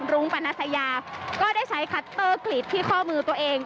รุ้งปนัสยาก็ได้ใช้คัตเตอร์กรีดที่ข้อมือตัวเอง